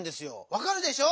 わかるでしょ？